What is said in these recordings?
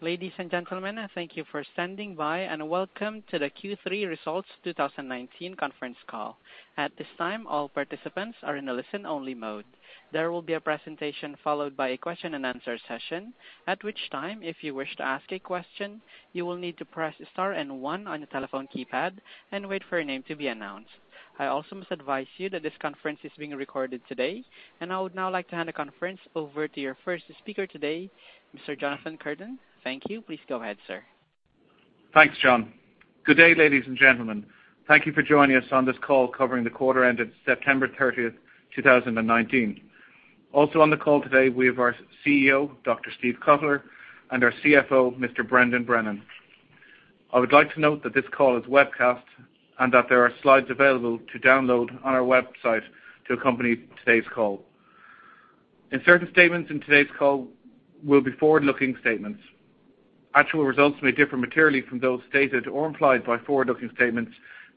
Ladies and gentlemen, thank you for standing by. Welcome to the Q3 Results 2019 conference call. At this time, all participants are in a listen-only mode. There will be a presentation followed by a question and answer session, at which time, if you wish to ask a question, you will need to press star and one on your telephone keypad and wait for your name to be announced. I also must advise you that this conference is being recorded today. I would now like to hand the conference over to your first speaker today, Mr. Jonathan Curtin. Thank you. Please go ahead, sir. Thanks, John. Good day, ladies and gentlemen. Thank you for joining us on this call covering the quarter ended September 30th, 2019. Also on the call today, we have our CEO, Dr. Steve Cutler, and our CFO, Mr. Brendan Brennan. I would like to note that this call is webcast and that there are slides available to download on our website to accompany today's call. Certain statements in today's call will be forward-looking statements. Actual results may differ materially from those stated or implied by forward-looking statements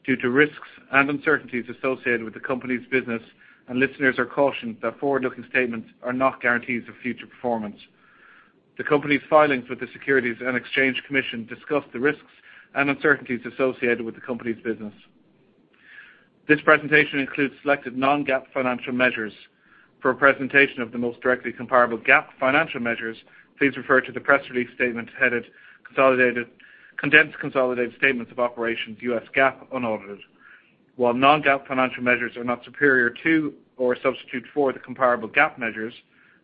due to risks and uncertainties associated with the company's business, and listeners are cautioned that forward-looking statements are not guarantees of future performance. The company's filings with the Securities and Exchange Commission discuss the risks and uncertainties associated with the company's business. This presentation includes selected non-GAAP financial measures. For a presentation of the most directly comparable GAAP financial measures, please refer to the press release statement headed Condensed Consolidated Statements of Operations, US GAAP, unaudited. While non-GAAP financial measures are not superior to or a substitute for the comparable GAAP measures,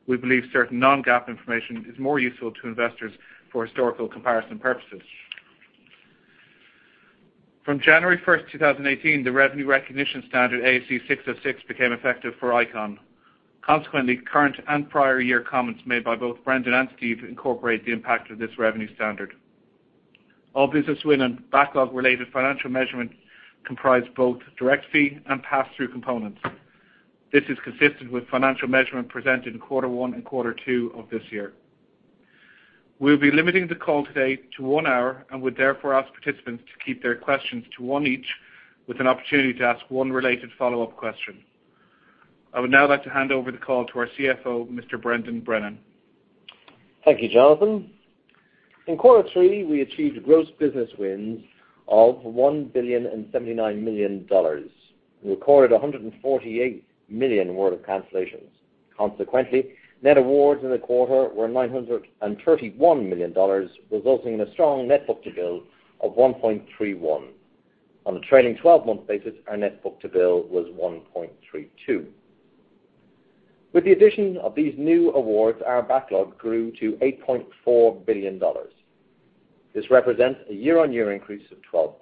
we believe certain non-GAAP information is more useful to investors for historical comparison purposes. From January 1st, 2018, the revenue recognition standard ASC 606 became effective for ICON. Consequently, current and prior year comments made by both Brendan and Steve incorporate the impact of this revenue standard. All business win and backlog-related financial measurement comprise both direct fee and pass-through components. This is consistent with financial measurement presented in Quarter One and Quarter Two of this year. We'll be limiting the call today to one hour and would therefore ask participants to keep their questions to one each with an opportunity to ask one related follow-up question. I would now like to hand over the call to our CFO, Mr. Brendan Brennan. Thank you, Jonathan. In Quarter Three, we achieved gross business wins of $1.079 billion. We recorded $148 million worth of cancellations. Consequently, net awards in the quarter were $931 million, resulting in a strong net book-to-bill of 1.31. On the trailing 12-month basis, our net book-to-bill was 1.32. With the addition of these new awards, our backlog grew to $8.4 billion. This represents a year-on-year increase of 12%.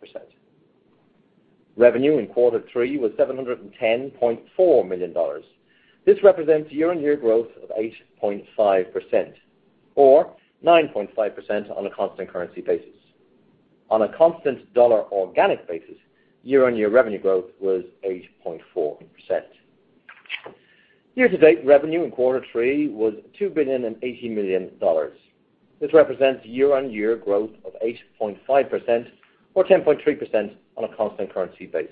Revenue in Quarter Three was $710.4 million. This represents year-on-year growth of 8.5%, or 9.5% on a constant currency basis. On a constant dollar organic basis, year-on-year revenue growth was 8.4%. Year-to-date revenue in Quarter Three was $2.080 billion. This represents year-on-year growth of 8.5%, or 10.3% on a constant currency basis.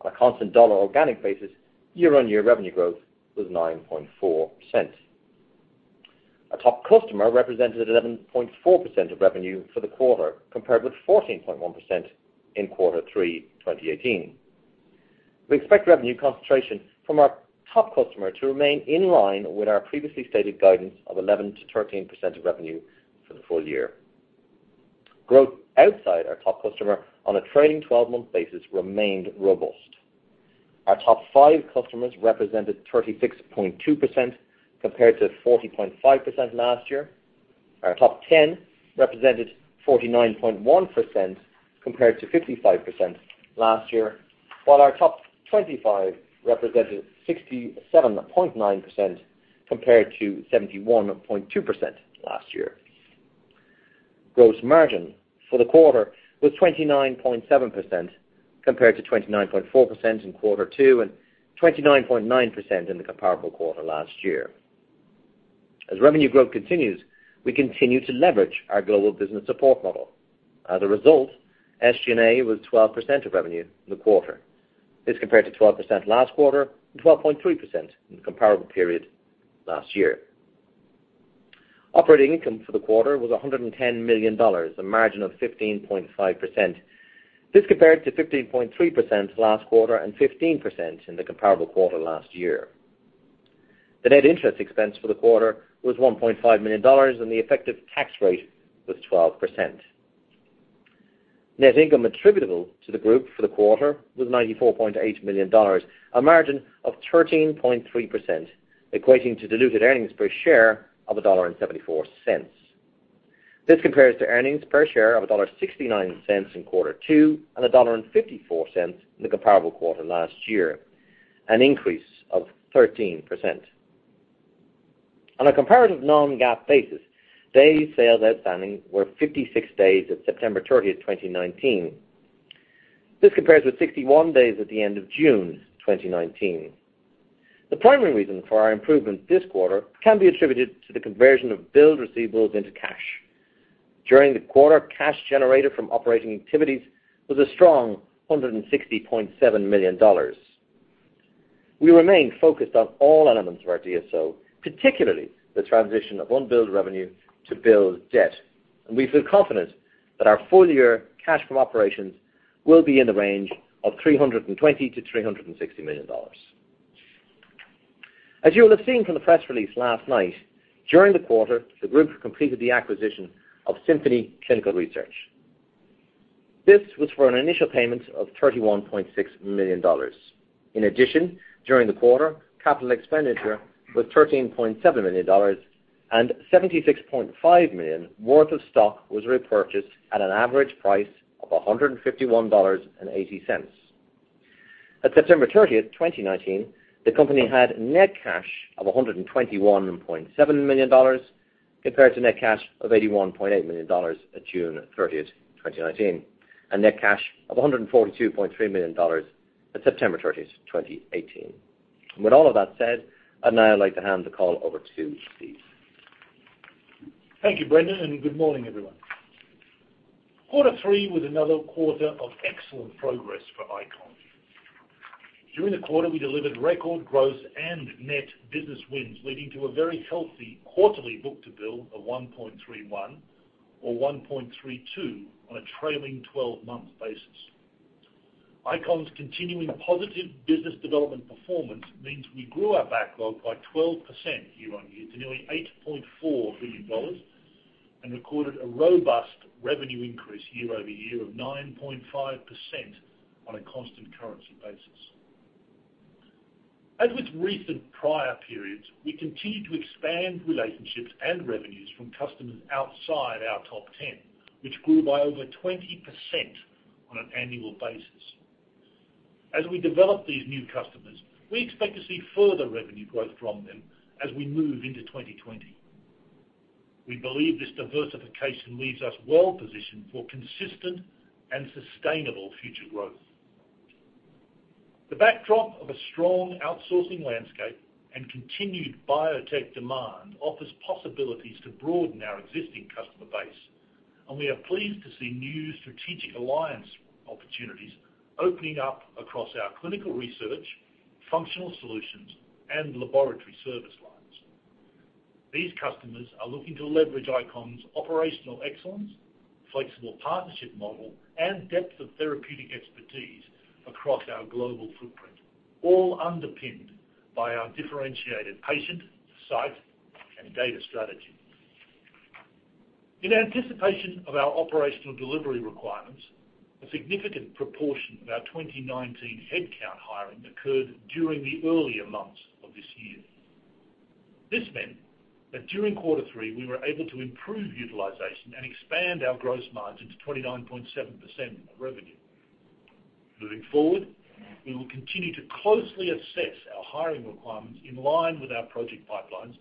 On a constant dollar organic basis, year-on-year revenue growth was 9.4%. Our top customer represented 11.4% of revenue for the quarter, compared with 14.1% in Quarter Three 2018. We expect revenue concentration from our top customer to remain in line with our previously stated guidance of 11%-13% of revenue for the full year. Growth outside our top customer on a trailing 12-month basis remained robust. Our top five customers represented 36.2%, compared to 40.5% last year. Our top 10 represented 49.1%, compared to 55% last year. Our top 25 represented 67.9%, compared to 71.2% last year. Gross margin for the quarter was 29.7%, compared to 29.4% in Quarter Two and 29.9% in the comparable quarter last year. Revenue growth continues, we continue to leverage our global business services model. SG&A was 12% of revenue in the quarter. This compared to 12% last quarter and 12.3% in the comparable period last year. Operating income for the quarter was $110 million, a margin of 15.5%. This compared to 15.3% last quarter and 15% in the comparable quarter last year. The net interest expense for the quarter was $1.5 million, and the effective tax rate was 12%. Net income attributable to the group for the quarter was $94.8 million, a margin of 13.3%, equating to diluted earnings per share of $1.74. This compares to earnings per share of $1.69 in Quarter Two and $1.54 in the comparable quarter last year, an increase of 13%. On a comparative non-GAAP basis, days sales outstanding were 56 days at September 30th, 2019. This compares with 61 days at the end of June 2019. The primary reason for our improvement this quarter can be attributed to the conversion of billed receivables into cash. During the quarter, cash generated from operating activities was a strong $160.7 million. We remain focused on all elements of our DSO, particularly the transition of unbilled revenue to billed debt. We feel confident that our full-year cash from operations will be in the range of $320 million-$360 million. You will have seen from the press release last night, during the quarter, the group completed the acquisition of Symphony Clinical Research. This was for an initial payment of $31.6 million. In addition, during the quarter, capital expenditure was $13.7 million and $76.5 million worth of stock was repurchased at an average price of $151.80. At September 30th, 2019, the company had net cash of $121.7 million, compared to net cash of $81.8 million at June 30th, 2019, and net cash of $142.3 million at September 30th, 2018. With all of that said, I'd now like to hand the call over to Steve. Thank you, Brendan. Good morning, everyone. Quarter 3 was another quarter of excellent progress for ICON. During the quarter, we delivered record gross and net business wins, leading to a very healthy quarterly book-to-bill of 1.31 or 1.32 on a trailing 12-month basis. ICON's continuing positive business development performance means we grew our backlog by 12% year-on-year to nearly $8.4 billion and recorded a robust revenue increase year-over-year of 9.5% on a constant currency basis. As with recent prior periods, we continue to expand relationships and revenues from customers outside our top 10, which grew by over 20% on an annual basis. As we develop these new customers, we expect to see further revenue growth from them as we move into 2020. We believe this diversification leaves us well positioned for consistent and sustainable future growth. The backdrop of a strong outsourcing landscape and continued biotech demand offers possibilities to broaden our existing customer base, and we are pleased to see new strategic alliance opportunities opening up across our clinical research, functional solutions, and laboratory service lines. These customers are looking to leverage ICON's operational excellence, flexible partnership model, and depth of therapeutic expertise across our global footprint, all underpinned by our differentiated patient, site, and data strategy. In anticipation of our operational delivery requirements, a significant proportion of our 2019 headcount hiring occurred during the earlier months of this year. This meant that during quarter three, we were able to improve utilization and expand our gross margin to 29.7% of revenue. Moving forward, we will continue to closely assess our hiring requirements in line with our project pipelines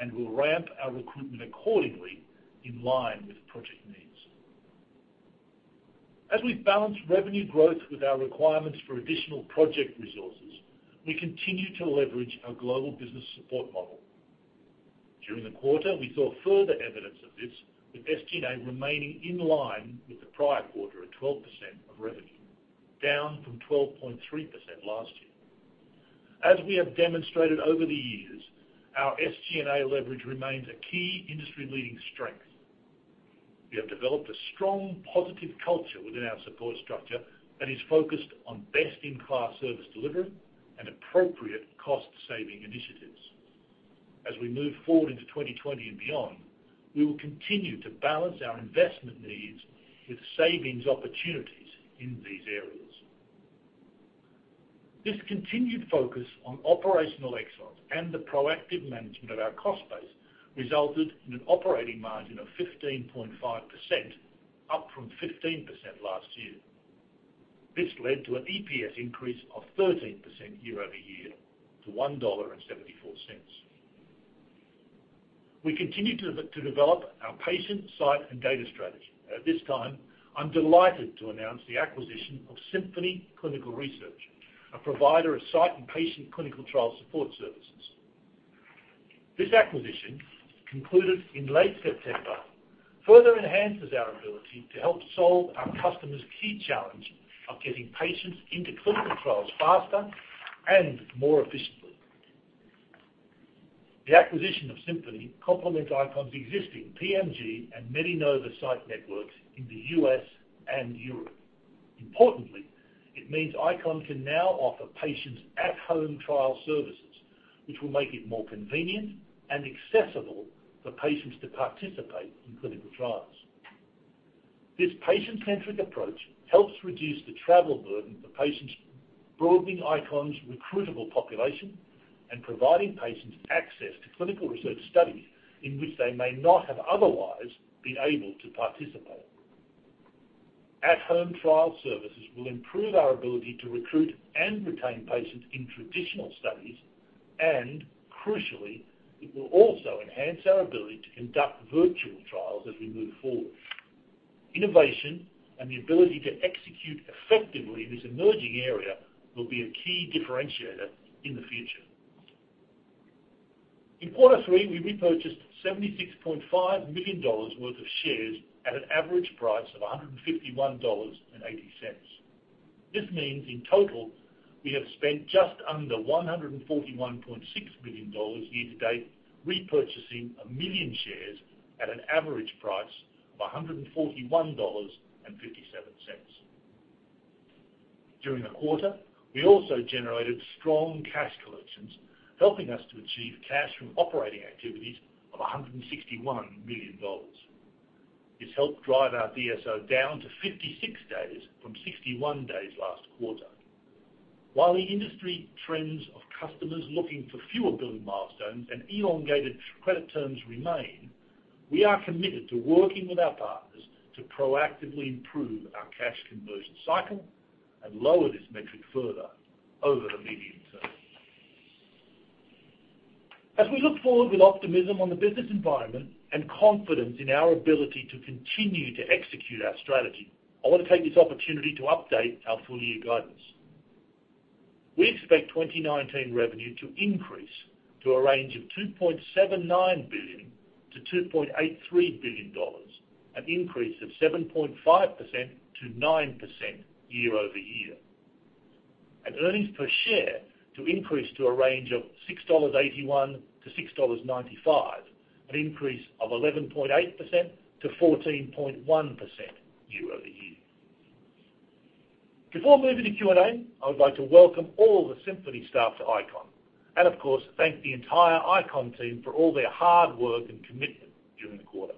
and will ramp our recruitment accordingly in line with project needs. As we balance revenue growth with our requirements for additional project resources, we continue to leverage our global business services model. During the quarter, we saw further evidence of this, with SG&A remaining in line with the prior quarter at 12% of revenue, down from 12.3% last year. As we have demonstrated over the years, our SG&A leverage remains a key industry-leading strength. We have developed a strong positive culture within our support structure that is focused on best-in-class service delivery and appropriate cost-saving initiatives. As we move forward into 2020 and beyond, we will continue to balance our investment needs with savings opportunities in these areas. This continued focus on operational excellence and the proactive management of our cost base resulted in an operating margin of 15.5%, up from 15% last year. This led to an EPS increase of 13% year-over-year to $1.74. We continue to develop our patient site and data strategy. At this time, I'm delighted to announce the acquisition of Symphony Clinical Research, a provider of site and patient clinical trial support services. This acquisition, concluded in late September, further enhances our ability to help solve our customers' key challenge of getting patients into clinical trials faster and more efficiently. The acquisition of Symphony complements ICON's existing PMG and MeDiNova site networks in the U.S. and Europe. Importantly, it means ICON can now offer patients at-home trial services, which will make it more convenient and accessible for patients to participate in clinical trials. This patient-centric approach helps reduce the travel burden for patients, broadening ICON's recruitable population and providing patients access to clinical research studies in which they may not have otherwise been able to participate. At-home trial services will improve our ability to recruit and retain patients in traditional studies. Crucially, it will also enhance our ability to conduct virtual trials as we move forward. Innovation and the ability to execute effectively in this emerging area will be a key differentiator in the future. In quarter three, we repurchased $76.5 million worth of shares at an average price of $151.80. This means, in total, we have spent just under $141.6 million year to date, repurchasing a million shares at an average price of $141.57. During the quarter, we also generated strong cash collections, helping us to achieve cash from operating activities of $161 million. This helped drive our DSO down to 56 days from 61 days last quarter. While the industry trends of customers looking for fewer billing milestones and elongated credit terms remain, we are committed to working with our partners to proactively improve our cash conversion cycle and lower this metric further over the medium term. As we look forward with optimism on the business environment and confidence in our ability to continue to execute our strategy, I want to take this opportunity to update our full-year guidance. We expect 2019 revenue to increase to a range of $2.79 billion-$2.83 billion, an increase of 7.5%-9% year-over-year. Earnings per share to increase to a range of $6.81-$6.95, an increase of 11.8%-14.1% year-over-year. Before moving to Q&A, I would like to welcome all the Symphony staff to ICON, and of course, thank the entire ICON team for all their hard work and commitment during the quarter.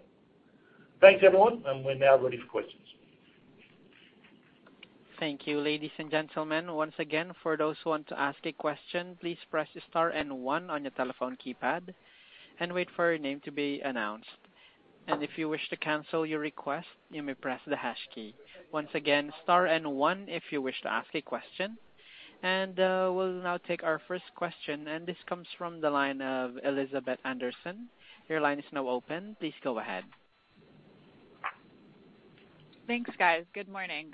Thanks everyone, and we're now ready for questions. Thank you, ladies and gentlemen. Once again, for those who want to ask a question, please press star and one on your telephone keypad and wait for your name to be announced. If you wish to cancel your request, you may press the hash key. Once again, star and one if you wish to ask a question. We'll now take our first question, and this comes from the line of Elizabeth Anderson. Your line is now open. Please go ahead. Thanks, guys. Good morning.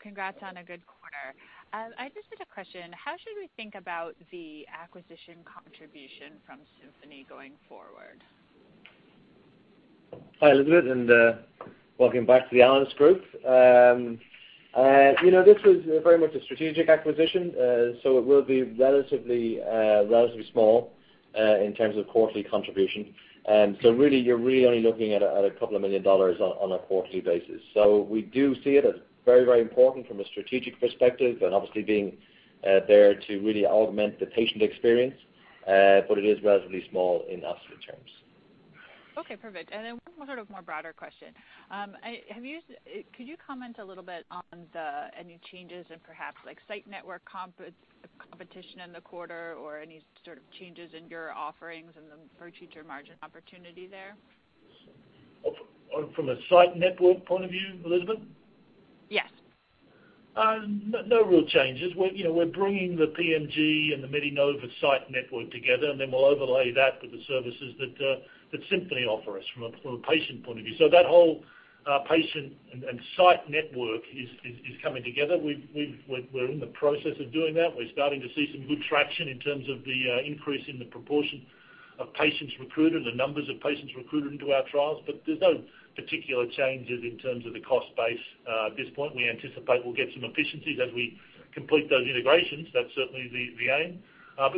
Congrats on a good quarter. I just had a question. How should we think about the acquisition contribution from Symphony going forward? Hi, Elizabeth, welcome back to the analyst group. This was very much a strategic acquisition. It will be relatively small in terms of quarterly contribution. Really, you're really only looking at a couple of million dollars on a quarterly basis. We do see it as very important from a strategic perspective and obviously being there to really augment the patient experience. It is relatively small in absolute terms. Okay, perfect. One sort of more broader question. Could you comment a little bit on any changes in perhaps site network competition in the quarter or any sort of changes in your offerings and the future margin opportunity there? From a site network point of view, Elizabeth? Yes. No real changes. We're bringing the PMG and the MeDiNova site network together, and then we'll overlay that with the services that Symphony offer us from a patient point of view. That whole patient and site network is coming together. We're in the process of doing that. We're starting to see some good traction in terms of the increase in the proportion of patients recruited, the numbers of patients recruited into our trials. There's no particular changes in terms of the cost base at this point. We anticipate we'll get some efficiencies as we complete those integrations. That's certainly the aim.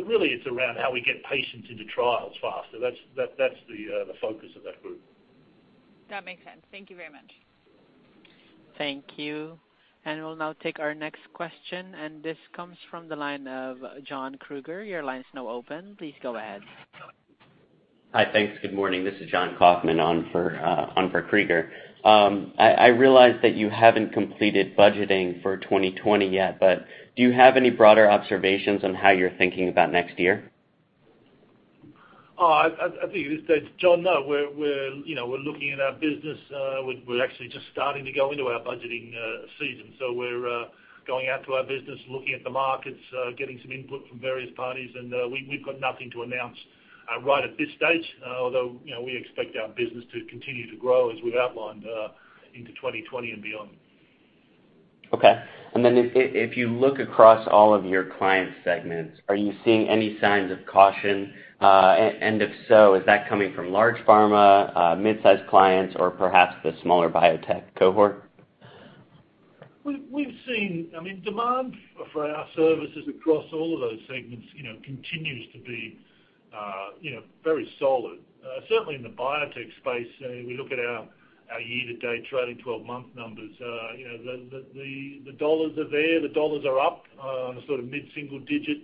Really it's around how we get patients into trials faster. That's the focus of that group. That makes sense. Thank you very much. Thank you. We'll now take our next question, and this comes from the line of John Kreger. Your line is now open. Please go ahead. Hi. Thanks. Good morning. This is Jonathan Kaufman on for Kreger. I realize that you haven't completed budgeting for 2020 yet, but do you have any broader observations on how you're thinking about next year? I think you just said John, no. We're looking at our business. We're actually just starting to go into our budgeting season. We're going out to our business, looking at the markets, getting some input from various parties, and we've got nothing to announce right at this stage, although we expect our business to continue to grow as we've outlined into 2020 and beyond. Okay. If you look across all of your client segments, are you seeing any signs of caution? If so, is that coming from large pharma, mid-size clients or perhaps the smaller biotech cohort? Demand for our services across all of those segments continues to be very solid. Certainly in the biotech space, we look at our year to date trailing 12-month numbers. The dollars are there. The dollars are up on a sort of mid-single digit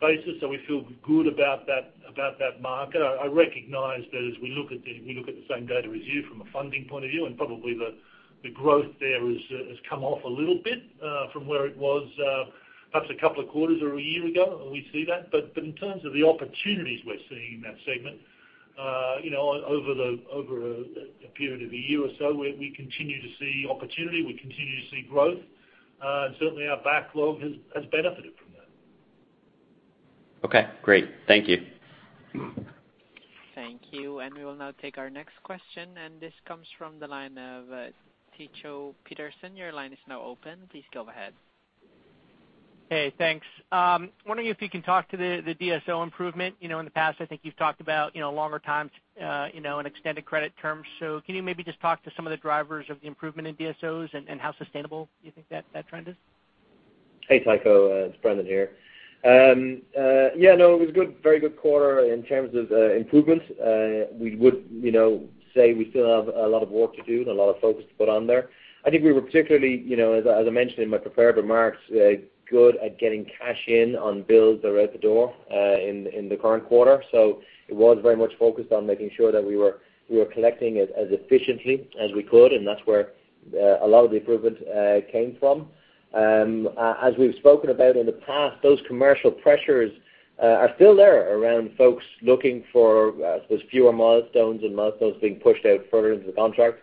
basis. We feel good about that market. I recognize that as we look at the same data as you from a funding point of view, and probably the growth there has come off a little bit from where it was perhaps a couple of quarters or a year ago. We see that. In terms of the opportunities we're seeing in that segment, over a period of a year or so, we continue to see opportunity, we continue to see growth. Certainly, our backlog has benefited from that. Okay, great. Thank you. Thank you. We will now take our next question. This comes from the line of Tycho Peterson. Your line is now open. Please go ahead. Hey, thanks. Wondering if you can talk to the DSO improvement. In the past, I think you've talked about longer times and extended credit terms. Can you maybe just talk to some of the drivers of the improvement in DSOs and how sustainable you think that trend is? Hey, Tycho, it's Brendan here. Yeah, no, it was a very good quarter in terms of improvements. We would say we still have a lot of work to do and a lot of focus to put on there. I think we were particularly, as I mentioned in my prepared remarks, good at getting cash in on bills that were out the door in the current quarter. It was very much focused on making sure that we were collecting it as efficiently as we could, and that's where a lot of the improvement came from. As we've spoken about in the past, those commercial pressures are still there around folks looking for those fewer milestones and milestones being pushed out further into the contract.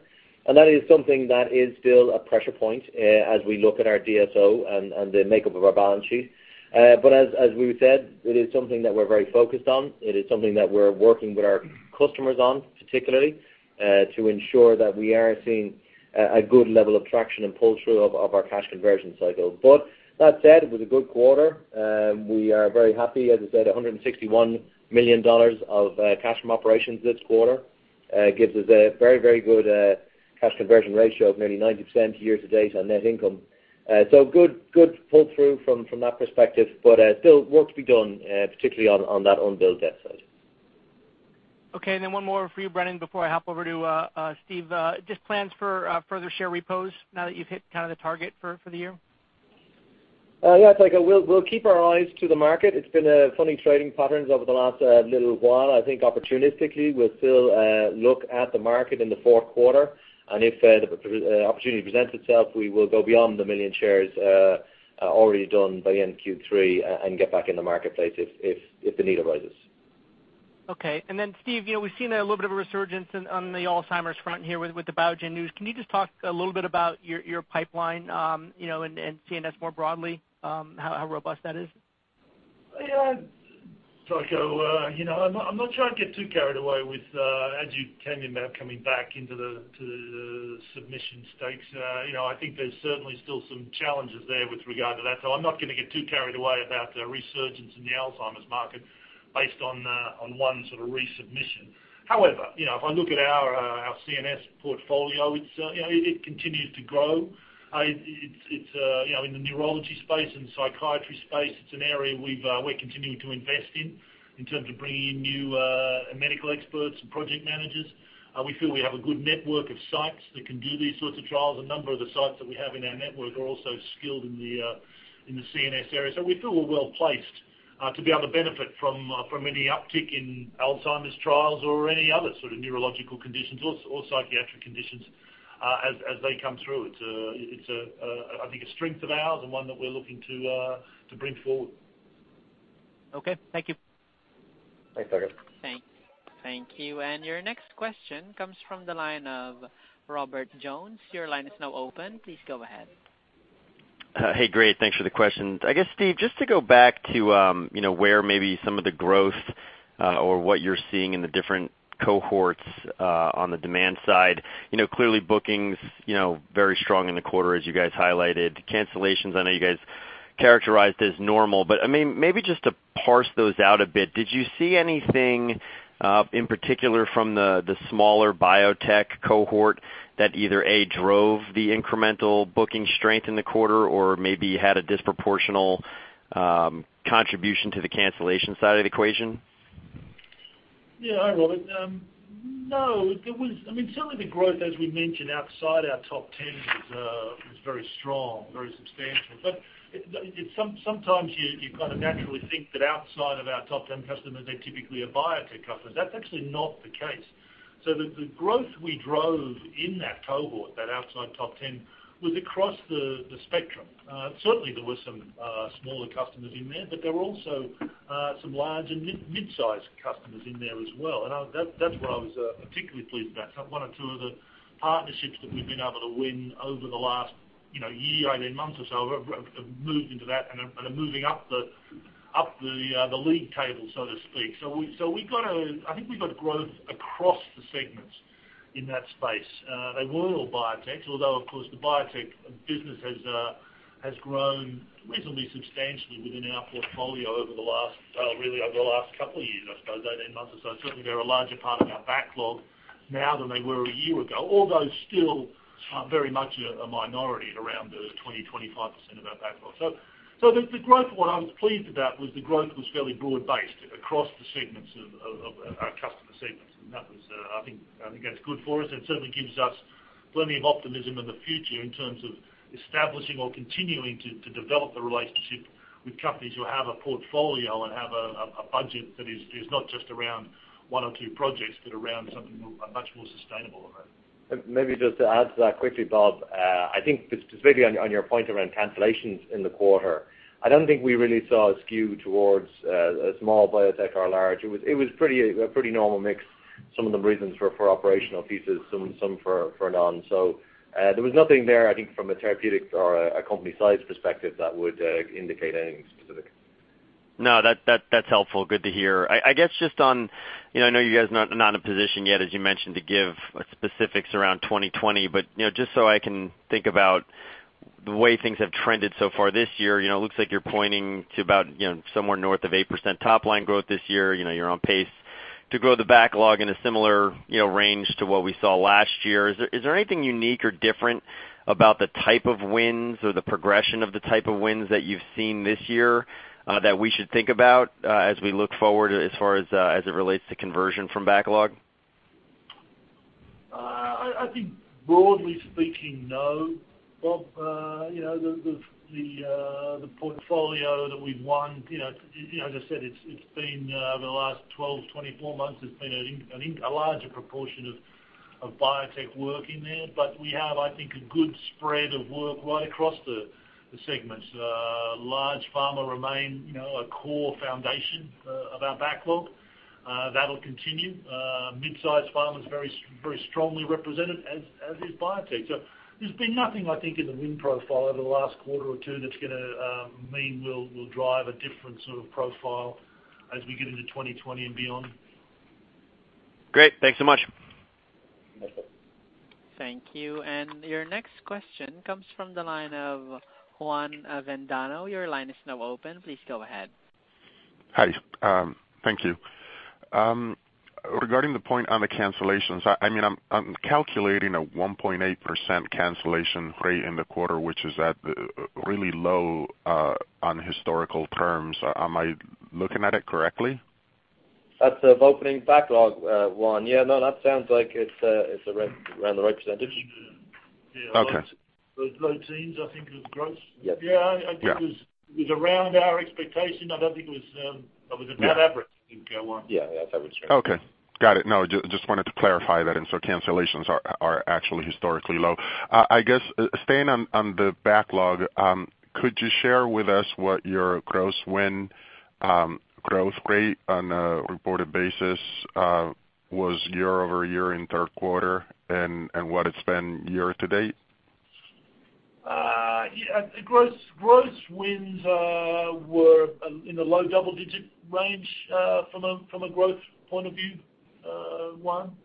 That is something that is still a pressure point as we look at our DSO and the makeup of our balance sheet. As we've said, it is something that we're very focused on. It is something that we're working with our customers on, particularly, to ensure that we are seeing a good level of traction and pull-through of our cash conversion cycle. That said, it was a good quarter. We are very happy. As I said, $161 million of cash from operations this quarter gives us a very good cash conversion ratio of nearly 90% year-to-date on net income. Good pull-through from that perspective, but still work to be done, particularly on that unbilled revenue side. Okay, one more for you, Brendan, before I hop over to Steve. Just plans for further share repos now that you've hit the target for the year? Yeah, Tycho, we'll keep our eyes to the market. It's been a funny trading patterns over the last little while. I think opportunistically, we'll still look at the market in the fourth quarter, and if the opportunity presents itself, we will go beyond the 1 million shares already done by end Q3 and get back in the marketplace if the need arises. Okay. Steve, we've seen a little bit of a resurgence on the Alzheimer's front here with the Biogen news. Can you just talk a little bit about your pipeline, and CNS more broadly, how robust that is? Tycho, I'm not trying to get too carried away with aducanumab coming back into the submission stakes. I think there's certainly still some challenges there with regard to that. I'm not going to get too carried away about the resurgence in the Alzheimer's market based on one sort of resubmission. However, if I look at our CNS portfolio, it continues to grow. In the neurology space and psychiatry space, it's an area we're continuing to invest in terms of bringing in new medical experts and project managers. We feel we have a good network of sites that can do these sorts of trials. A number of the sites that we have in our network are also skilled in the CNS area. We feel we're well-placed to be able to benefit from any uptick in Alzheimer's trials or any other sort of neurological conditions or psychiatric conditions as they come through. It's I think a strength of ours and one that we're looking to bring forward. Okay. Thank you. Thanks, Tycho. Thank you. Your next question comes from the line of Robert Jones. Your line is now open. Please go ahead. Hey, great, thanks for the questions. I guess, Steve, just to go back to where maybe some of the growth or what you're seeing in the different cohorts on the demand side. Clearly bookings very strong in the quarter as you guys highlighted. Cancellations, I know you guys characterized as normal, but maybe just to parse those out a bit. Did you see anything in particular from the smaller biotech cohort that either, A, drove the incremental booking strength in the quarter or maybe had a disproportional contribution to the cancellation side of the equation? Hi, Robert. Certainly the growth, as we mentioned, outside our top 10 was very strong, very substantial. Sometimes you kind of naturally think that outside of our top 10 customers, they're typically a biotech customer. That's actually not the case. The growth we drove in that cohort, that outside top 10, was across the spectrum. Certainly there were some smaller customers in there, but there were also some large and mid-sized customers in there as well. That's what I was particularly pleased about. One or two of the partnerships that we've been able to win over the last year, 18 months or so, have moved into that and are moving up the league table, so to speak. I think we've got growth across the segments in that space. They weren't all biotech, although, of course, the biotech business has grown reasonably substantially within our portfolio over the last couple of years, I suppose, 18 months or so. Certainly they're a larger part of our backlog now than they were a year ago, although still very much a minority at around 20%, 25% of our backlog. What I was pleased about was the growth was fairly broad-based across our customer segments. That was I think that's good for us and certainly gives us plenty of optimism in the future in terms of establishing or continuing to develop the relationship with companies who have a portfolio and have a budget that is not just around one or two projects, but around something much more sustainable. Maybe just to add to that quickly, Bob. I think specifically on your point around cancellations in the quarter, I don't think we really saw a skew towards a small biotech or large. It was a pretty normal mix. Some of them reasons were for operational pieces, some for none. There was nothing there, I think, from a therapeutic or a company size perspective that would indicate anything specific. No, that's helpful. Good to hear. I guess, I know you guys are not in a position yet, as you mentioned, to give specifics around 2020. Just so I can think about the way things have trended so far this year, it looks like you're pointing to about somewhere north of 8% top-line growth this year. You're on pace to grow the backlog in a similar range to what we saw last year. Is there anything unique or different about the type of wins or the progression of the type of wins that you've seen this year that we should think about as we look forward as it relates to conversion from backlog? I think broadly speaking, no, Bob. The portfolio that we've won, as I said, the last 12, 24 months, there's been a larger proportion of biotech work in there. We have, I think, a good spread of work right across the segments. Large pharma remain a core foundation of our backlog. That'll continue. Mid-size pharma is very strongly represented, as is biotech. There's been nothing, I think, in the win profile over the last quarter or two that's going to mean we'll drive a different sort of profile as we get into 2020 and beyond. Great. Thanks so much. My pleasure. Thank you. Your next question comes from the line of Juan Avendano. Your line is now open. Please go ahead. Hi. Thank you. Regarding the point on the cancellations, I'm calculating a 1.8% cancellation rate in the quarter, which is at really low on historical terms. Am I looking at it correctly? That's of opening backlog, Juan. Yeah, no, that sounds like it's around the right percentage. Yeah. Okay. Those low teens, I think, was gross. Yep. Yeah. Yeah. I think it was around our expectation. I think it was about average, I think, Juan. Yeah, that's how we'd say. Okay. Got it. No, just wanted to clarify that. Cancellations are actually historically low. I guess, staying on the backlog, could you share with us what your gross win growth rate on a reported basis was year-over-year in third quarter and what it's been year-to-date? Yeah. Gross wins were in the low double-digit range from a growth point of view, Juan.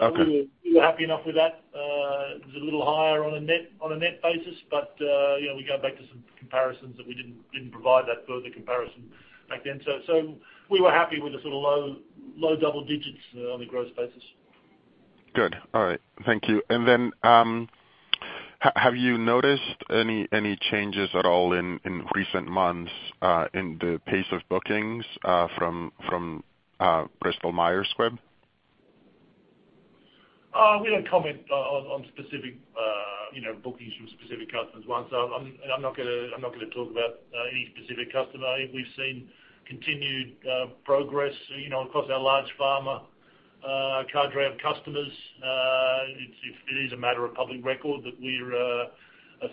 Okay. We were happy enough with that. It was a little higher on a net basis. We go back to some comparisons that we didn't provide that further comparison back then. We were happy with the sort of low double digits on a gross basis. Good. All right. Thank you. Have you noticed any changes at all in recent months in the pace of bookings from Bristol Myers Squibb? We don't comment on bookings from specific customers, Juan. I'm not going to talk about any specific customer. I think we've seen continued progress across our large pharma cadre of customers. It is a matter of public record that we're a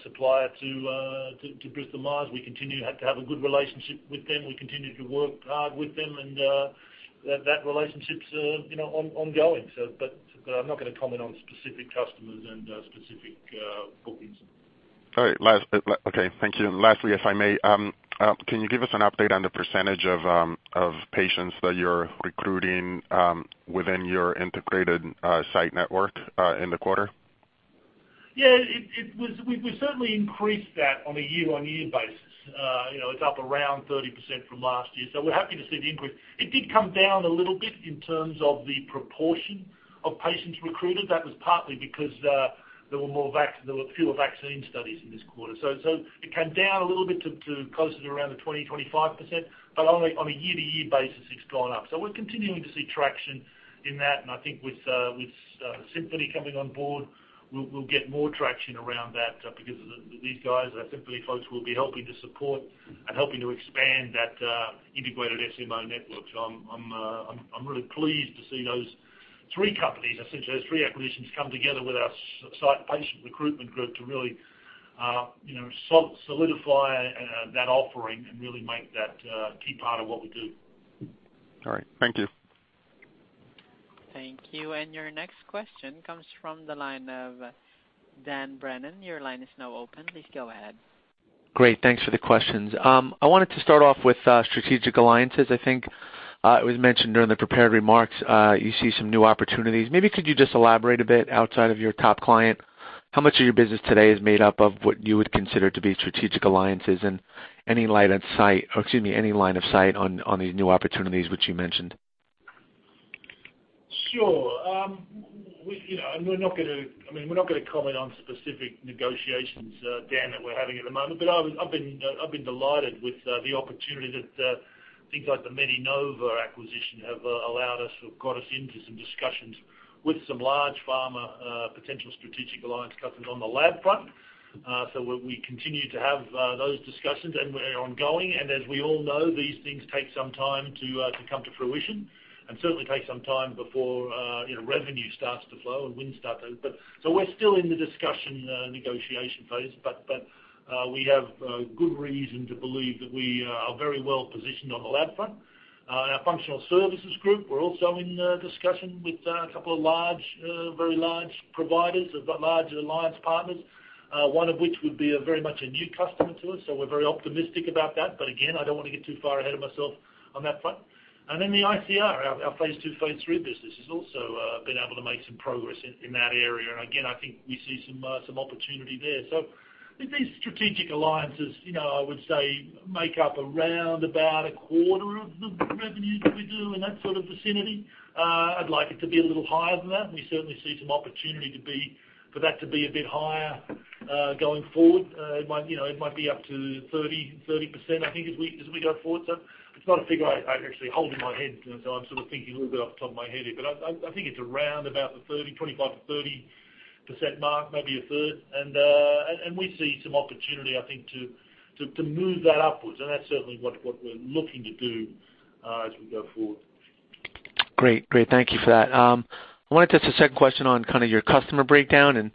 supplier to Bristol Myers. We continue to have a good relationship with them. We continue to work hard with them, and that relationship's ongoing. I'm not going to comment on specific customers and specific bookings. All right. Okay. Thank you. Lastly, if I may, can you give us an update on the % of patients that you're recruiting within your integrated site network in the quarter? Yeah. We've certainly increased that on a year-over-year basis. It's up around 30% from last year. We're happy to see the input. It did come down a little bit in terms of the proportion of patients recruited. That was partly because there were fewer vaccine studies in this quarter. It came down a little bit to closer to around the 20%-25%, but on a year-over-year basis, it's gone up. We're continuing to see traction in that. I think with Symphony coming on board, we'll get more traction around that because these guys, our Symphony folks, will be helping to support and helping to expand that integrated SMO network. I'm really pleased to see those three companies, essentially those three acquisitions, come together with our site patient recruitment group to really solidify that offering and really make that a key part of what we do. All right. Thank you. Thank you. Your next question comes from the line of Dan Brennan. Your line is now open. Please go ahead. Great. Thanks for the questions. I wanted to start off with strategic alliances. I think it was mentioned during the prepared remarks, you see some new opportunities. Maybe could you just elaborate a bit outside of your top client? How much of your business today is made up of what you would consider to be strategic alliances, and any line of sight on these new opportunities which you mentioned? Sure. We're not going to comment on specific negotiations, Dan, that we're having at the moment, but I've been delighted with the opportunity that things like the MeDiNova acquisition have allowed us or got us into some discussions with some large pharma potential strategic alliance customers on the lab front. We continue to have those discussions, and they're ongoing. As we all know, these things take some time to come to fruition and certainly take some time before revenue starts to flow and wins start to. We're still in the discussion, negotiation phase. We have good reason to believe that we are very well positioned on the lab front. Our Functional Services Group, we're also in discussion with a couple of very large providers, large alliance partners. One of which would be very much a new customer to us. We're very optimistic about that. Again, I don't want to get too far ahead of myself on that front. The ICR, our phase II, phase III business, has also been able to make some progress in that area. Again, I think we see some opportunity there. I think these strategic alliances I would say make up around about a quarter of the revenue that we do in that sort of vicinity. I'd like it to be a little higher than that, and we certainly see some opportunity for that to be a bit higher, going forward. It might be up to 30% I think, as we go forward. It's not a figure I actually hold in my head. I'm sort of thinking a little bit off the top of my head here. I think it's around about the 25%-30% mark, maybe a third. We see some opportunity, I think, to move that upwards. That's certainly what we're looking to do as we go forward. Great. Thank you for that. I wanted to ask a second question on your customer breakdown and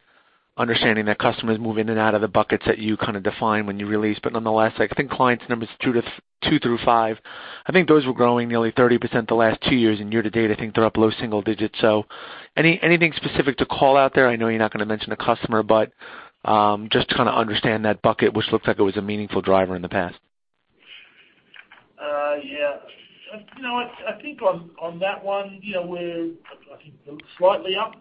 understanding that customers move in and out of the buckets that you define when you release. Nonetheless, I think clients numbers two through five, I think those were growing nearly 30% the last two years. Year to date, I think they're up low single digits. Anything specific to call out there? I know you're not going to mention a customer, but just to understand that bucket, which looks like it was a meaningful driver in the past. Yeah. I think on that one, we're slightly up,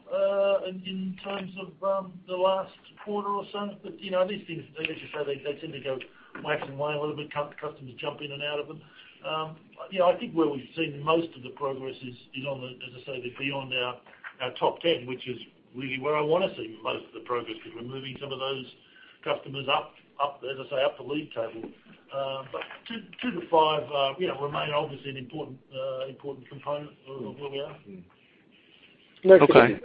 in terms of the last quarter or so. These things, as you say, they tend to go wax and wane a little bit, customers jump in and out of them. I think where we've seen most of the progress is on the, as I say, the beyond our top 10, which is really where I want to see most of the progress because we're moving some of those customers up the league table. Two to five remain obviously an important component of where we are. Okay.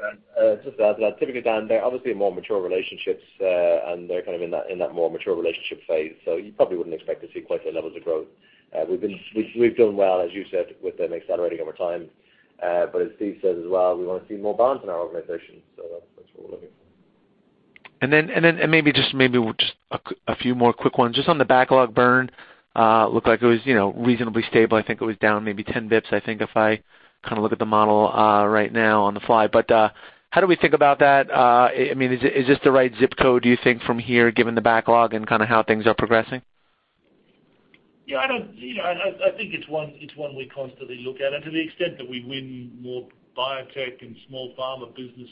Just to add to that, typically, Dan, they're obviously more mature relationships, and they're kind of in that more mature relationship phase. You probably wouldn't expect to see quite the levels of growth. We've done well, as you said, with them accelerating over time. As Steve says as well, we want to see more balance in our organization. That's what we're looking for. Maybe just a few more quick ones. Just on the backlog burn, looked like it was reasonably stable. I think it was down maybe 10 basis points, I think, if I look at the model right now on the fly. How do we think about that? Is this the right ZIP Code, do you think, from here, given the backlog and how things are progressing? Yeah. I think it's one we constantly look at. To the extent that we win more biotech and small pharma business,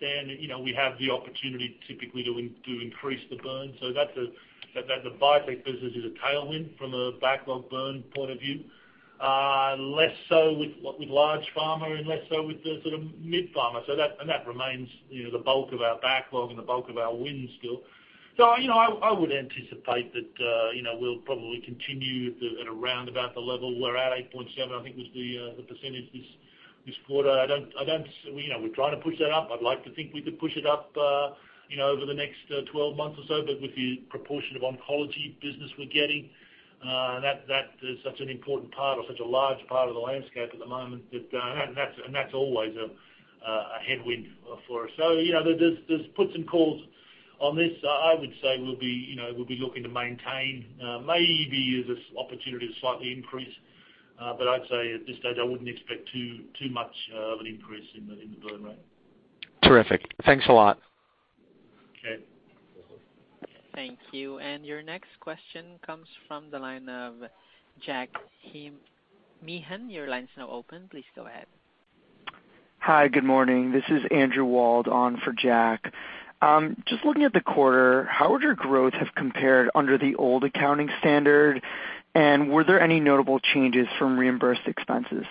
Dan, we have the opportunity typically to increase the burn. The biotech business is a tailwind from a backlog burn point of view. Less so with large pharma and less so with the sort of mid pharma. That remains the bulk of our backlog and the bulk of our wins still. I would anticipate that we'll probably continue at around about the level we're at, 8.7%, I think was the percentage this quarter. We're trying to push that up. I'd like to think we could push it up over the next 12 months or so. With the proportion of oncology business we're getting, that is such an important part or such a large part of the landscape at the moment. That's always a headwind for us. There's put and calls on this. I would say we'll be looking to maintain, maybe there's opportunity to slightly increase. I'd say at this stage, I wouldn't expect too much of an increase in the burn rate. Terrific. Thanks a lot. Okay. Thank you. Your next question comes from the line of Jack Meehan. Your line's now open. Please go ahead. Hi. Good morning. This is Andrew Wald on for Jack. Just looking at the quarter, how would your growth have compared under the old accounting standard? Were there any notable changes from reimbursed expenses?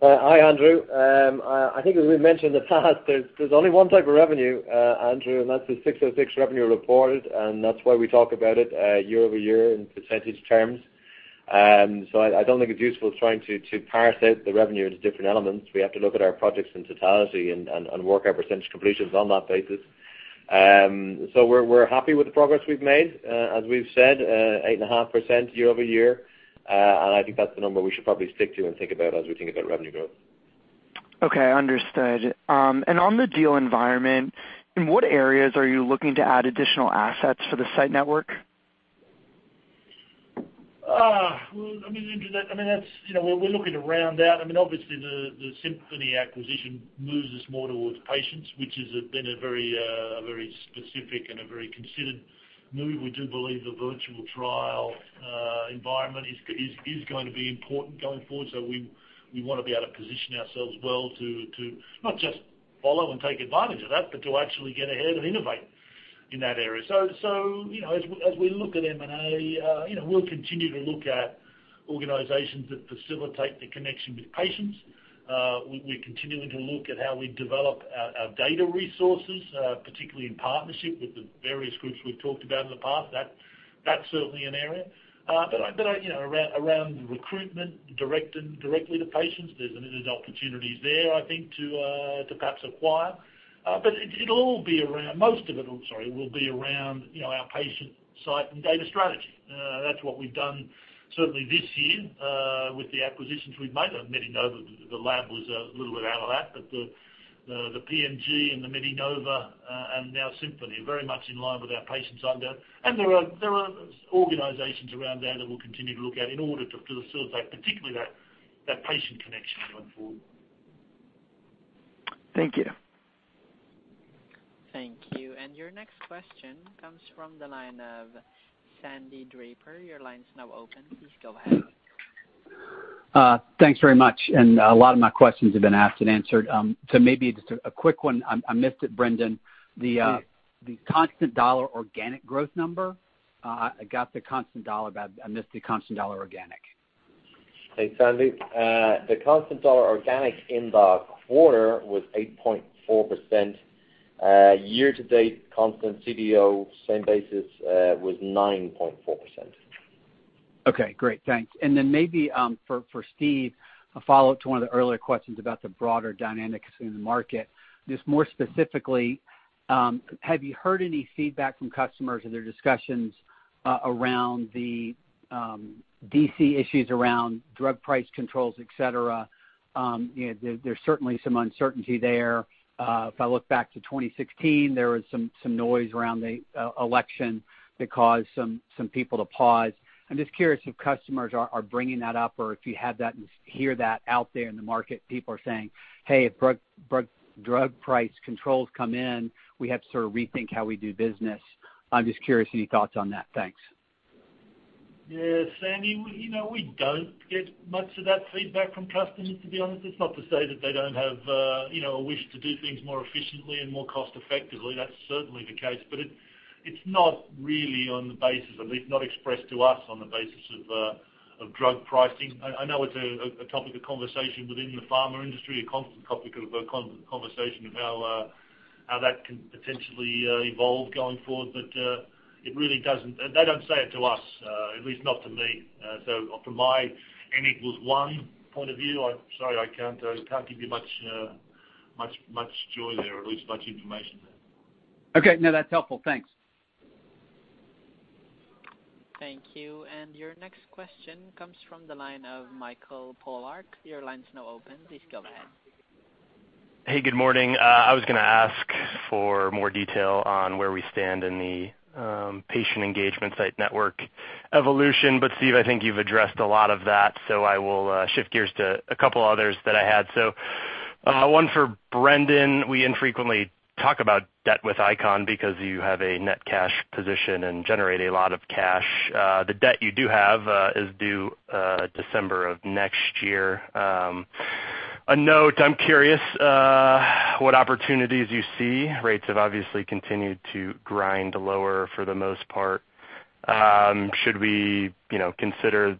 Hi, Andrew. I think as we mentioned in the past there's only one type of revenue, Andrew, and that's the 606 revenue reported, and that's why we talk about it year-over-year in percentage terms. I don't think it's useful trying to parse out the revenue into different elements. We have to look at our projects in totality and work our percentage completions on that basis. We're happy with the progress we've made. As we've said, 8.5% year-over-year. I think that's the number we should probably stick to and think about as we think about revenue growth. Okay. Understood. On the deal environment, in what areas are you looking to add additional assets for the site network? Andrew, we're looking to round out. Obviously, the Symphony acquisition moves us more towards patients, which has been a very specific and a very considered move. We do believe the virtual trial environment is going to be important going forward. We want to be able to position ourselves well to not just follow and take advantage of that, but to actually get ahead and innovate in that area. As we look at M&A, we'll continue to look at organizations that facilitate the connection with patients. We're continuing to look at how we develop our data resources, particularly in partnership with the various groups we've talked about in the past. That's certainly an area. Around recruitment directly to patients, there's limited opportunities there, I think, to perhaps acquire. Most of it will be around our patient site and data strategy. That's what we've done certainly this year with the acquisitions we've made. MeDiNova, the lab was a little bit out of that, but the PMG and the MeDiNova, and now Symphony, are very much in line with our patient site data. There are organizations around there that we'll continue to look at in order to facilitate particularly that patient connection going forward. Thank you. Thank you. Your next question comes from the line of Sandy Draper. Your line's now open. Please go ahead. Thanks very much. A lot of my questions have been asked and answered. Maybe just a quick one. I missed it, Brendan. The constant dollar organic growth number. I got the constant dollar, but I missed the constant dollar organic. Hey, Sandy. The constant dollar organic in the quarter was 8.4%. Year to date, constant CDO, same basis, was 9.4%. Okay, great. Thanks. Maybe, for Steve, a follow-up to one of the earlier questions about the broader dynamics in the market. More specifically, have you heard any feedback from customers or their discussions around the D.C. issues around drug price controls, et cetera? There's certainly some uncertainty there. If I look back to 2016, there was some noise around the election that caused some people to pause. I'm just curious if customers are bringing that up or if you hear that out there in the market, people are saying, "Hey, if drug price controls come in, we have to sort of rethink how we do business." I'm just curious, any thoughts on that? Thanks. Yeah, Sandy. We don't get much of that feedback from customers, to be honest. It's not to say that they don't have a wish to do things more efficiently and more cost-effectively. That's certainly the case, but it's not really on the basis, at least not expressed to us, on the basis of drug pricing. I know it's a topic of conversation within the pharma industry, a constant topic of conversation of how that can potentially evolve going forward. They don't say it to us, at least not to me. From my n equals one point of view, I'm sorry, I can't give you much joy there, or at least much information there. Okay. No, that's helpful. Thanks. Thank you. Your next question comes from the line of Michael Polark. Your line's now open. Please go ahead. Hey, good morning. I was going to ask for more detail on where we stand in the patient engagement site network evolution. Steve, I think you've addressed a lot of that, so I will shift gears to a couple others that I had. One for Brendan. We infrequently talk about debt with ICON because you have a net cash position and generate a lot of cash. The debt you do have is due December of next year. A note, I'm curious what opportunities you see. Rates have obviously continued to grind lower for the most part. Should we consider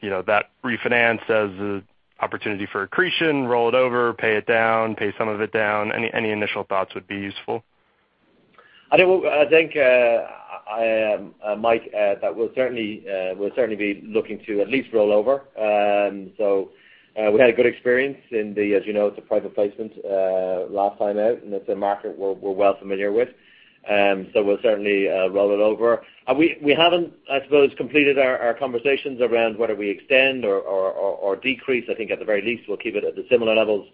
that refinance as an opportunity for accretion, roll it over, pay it down, pay some of it down? Any initial thoughts would be useful. I think, Mike, that we'll certainly be looking to at least roll over. We had a good experience in the, as you know, it's a private placement last time out, and it's a market we're well familiar with. We'll certainly roll it over. We haven't, I suppose, completed our conversations around whether we extend or decrease. I think at the very least we'll keep it at the similar levels,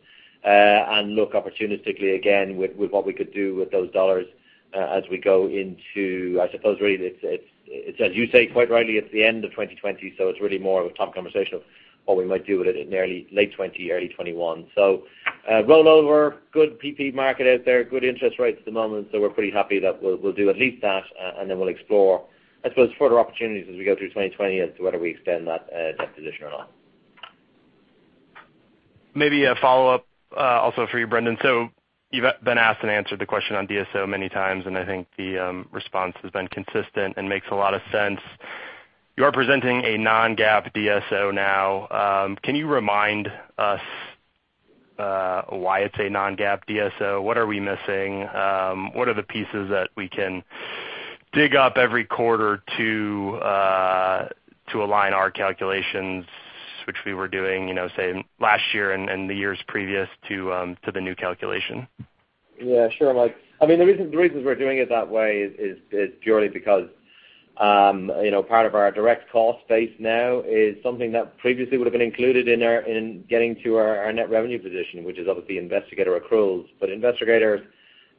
and look opportunistically again with what we could do with those dollars as we go into, I suppose really, it's as you say, quite rightly, it's the end of 2020, so it's really more of a top conversation of what we might do with it in late 2020, early 2021. Roll over, good PP market out there, good interest rates at the moment, so we're pretty happy that we'll do at least that, and then we'll explore, I suppose, further opportunities as we go through 2020 as to whether we extend that debt position or not. Maybe a follow-up also for you, Brendan. You've been asked and answered the question on DSO many times, and I think the response has been consistent and makes a lot of sense. You are presenting a non-GAAP DSO now. Can you remind us why it's a non-GAAP DSO? What are we missing? What are the pieces that we can dig up every quarter to align our calculations, which we were doing, say, last year and the years previous to the new calculation? Yeah, sure, Mike. The reasons we're doing it that way is purely because part of our direct cost base now is something that previously would've been included in getting to our net revenue position, which is obviously investigator accruals. Investigators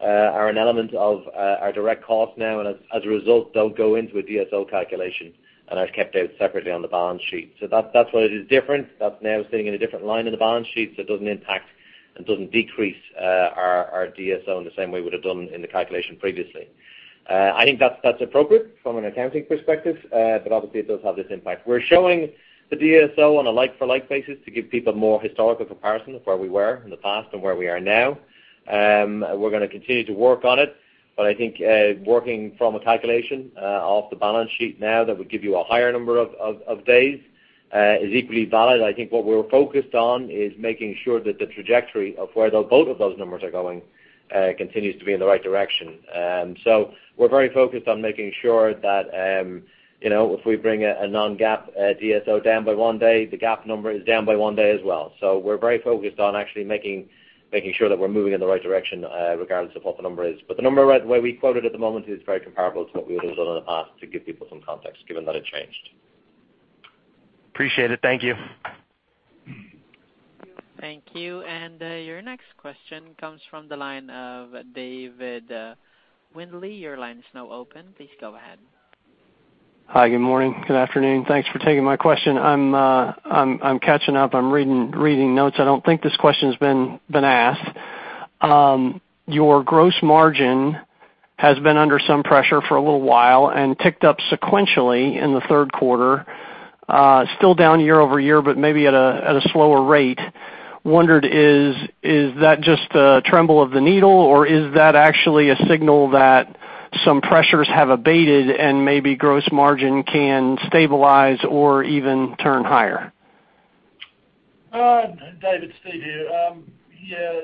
are an element of our direct cost now, and as a result, don't go into a DSO calculation and are kept out separately on the balance sheet. That's why it is different. That's now sitting in a different line in the balance sheet, so it doesn't impact and doesn't decrease our DSO in the same way we would have done in the calculation previously. I think that's appropriate from an accounting perspective. Obviously it does have this impact. We're showing the DSO on a like for like basis to give people more historical comparison of where we were in the past and where we are now. We're going to continue to work on it. I think working from a calculation off the balance sheet now that would give you a higher number of days is equally valid. I think what we're focused on is making sure that the trajectory of where both of those numbers are going continues to be in the right direction. We're very focused on making sure that if we bring a non-GAAP DSO down by one day, the GAAP number is down by one day as well. We're very focused on actually making sure that we're moving in the right direction regardless of what the number is. The number the way we quote it at the moment is very comparable to what we would have done in the past to give people some context, given that it changed. Appreciate it. Thank you. Thank you. Your next question comes from the line of David Windley. Your line is now open. Please go ahead. Hi, good morning, good afternoon. Thanks for taking my question. I'm catching up. I'm reading notes. I don't think this question's been asked. Your gross margin has been under some pressure for a little while and ticked up sequentially in the third quarter. Still down year-over-year, but maybe at a slower rate. I wondered, is that just a tremble of the needle, or is that actually a signal that some pressures have abated and maybe gross margin can stabilize or even turn higher? David, Steve here. Yeah.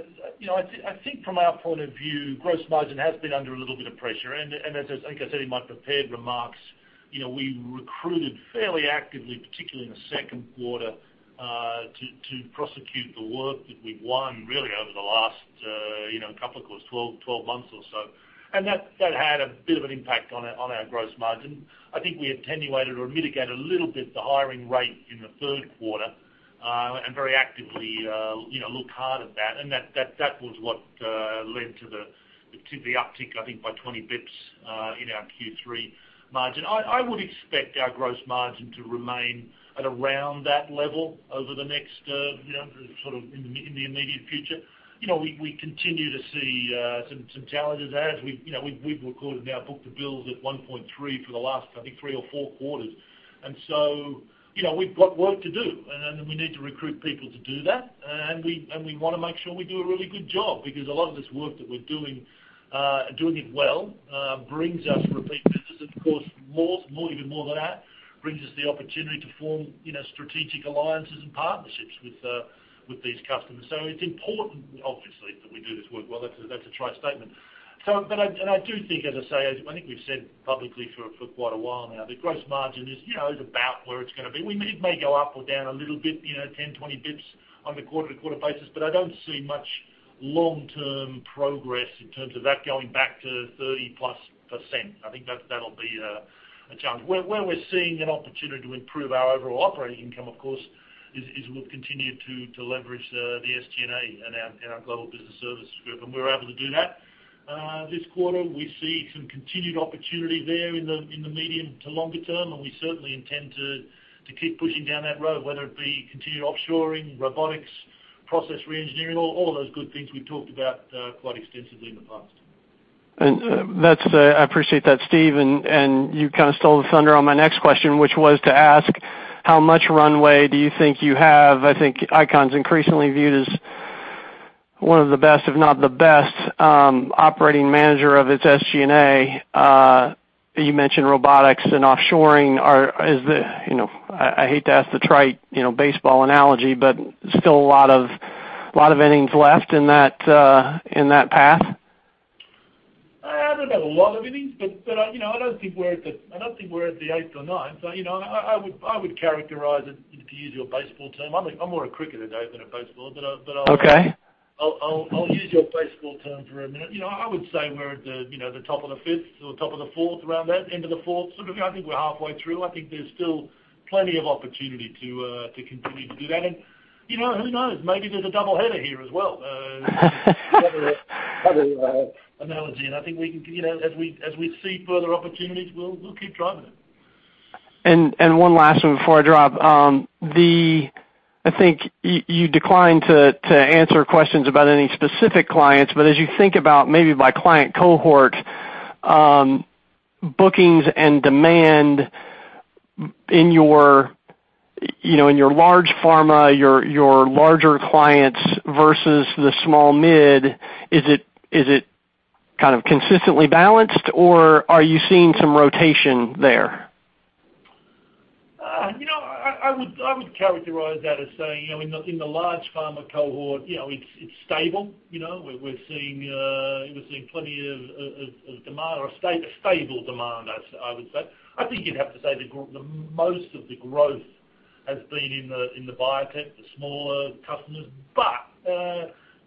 I think from our point of view, gross margin has been under a little bit of pressure. As I think I said in my prepared remarks, we recruited fairly actively, particularly in the second quarter, to prosecute the work that we've won really over the last couple of, 12 months or so. That had a bit of an impact on our gross margin. I think we attenuated or mitigated a little bit the hiring rate in the third quarter, and very actively looked hard at that. That was what led to the uptick, I think, by 20 basis points, in our Q3 margin. I would expect our gross margin to remain at around that level over the next, sort of in the immediate future. We continue to see some challenges there as we've recorded our book-to-bill at 1.3 for the last, I think, three or four quarters. We've got work to do, and we need to recruit people to do that. We want to make sure we do a really good job because a lot of this work that we're doing it well, brings us repeat business and of course, even more than that, brings us the opportunity to form strategic alliances and partnerships with these customers. It's important, obviously, that we do this work well. That's a trite statement. I do think, as I say, as I think we've said publicly for quite a while now, the gross margin is about where it's going to be. It may go up or down a little bit, 10, 20 basis points on a quarter-to-quarter basis, but I don't see much long-term progress in terms of that going back to 30-plus %. I think that'll be a challenge. Where we're seeing an opportunity to improve our overall operating income, of course, is we'll continue to leverage the SG&A and our Global Business Services group. We were able to do that this quarter. We see some continued opportunity there in the medium to longer term, and we certainly intend to keep pushing down that road, whether it be continued offshoring, robotics, process re-engineering, all of those good things we've talked about quite extensively in the past. I appreciate that, Steve. You kind of stole the thunder on my next question, which was to ask how much runway do you think you have? I think ICON's increasingly viewed as one of the best, if not the best, operating manager of its SG&A. You mentioned robotics and offshoring. I hate to ask the trite baseball analogy, but still a lot of innings left in that path? I don't know about a lot of innings, but I don't think we're at the eighth or ninth. I would characterize it, if you use your baseball term. I'm more a cricketer, Dave, than a baseballer, but- Okay I'll use your baseball term for a minute. I would say we're at the top of the fifth or top of the fourth, around that, into the fourth. Sort of, I think we're halfway through. I think there's still plenty of opportunity to continue to do that. Who knows? Maybe there's a double header here as well. Another analogy. I think as we see further opportunities, we'll keep driving it. One last one before I drop. I think you declined to answer questions about any specific clients, but as you think about maybe by client cohort, bookings and demand in your large pharma, your larger clients versus the small mid, is it kind of consistently balanced, or are you seeing some rotation there? I would characterize that as saying, in the large pharma cohort, it's stable. We're seeing plenty of demand or a stable demand, I would say. I think you'd have to say that most of the growth has been in the biotech, the smaller customers.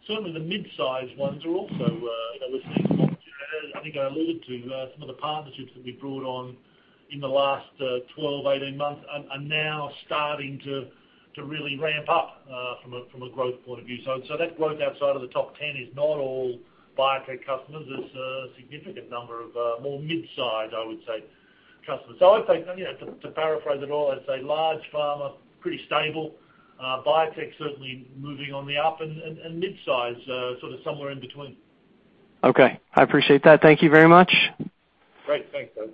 Certainly the mid-size ones are also, we're seeing I think I alluded to some of the partnerships that we brought on in the last 12, 18 months are now starting to really ramp up from a growth point of view. That growth outside of the top 10 is not all biotech customers. It's a significant number of more mid-size, I would say, customers. I would say, to paraphrase it all, I'd say large pharma, pretty stable. Biotech certainly moving on the up, and mid-size sort of somewhere in between. Okay. I appreciate that. Thank you very much. Great. Thanks, Dave.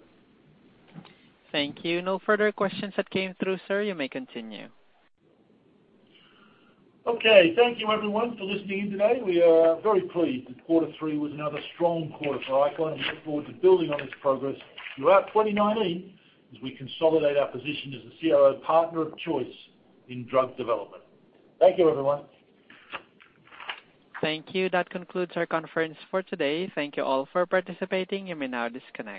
Thank you. No further questions that came through, sir. You may continue. Okay. Thank you everyone for listening in today. We are very pleased that quarter three was another strong quarter for ICON and look forward to building on this progress throughout 2019 as we consolidate our position as the CRO partner of choice in drug development. Thank you, everyone. Thank you. That concludes our conference for today. Thank you all for participating. You may now disconnect.